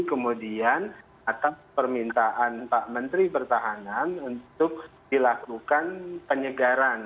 kemudian atas permintaan pak menteri pertahanan untuk dilakukan penyegaran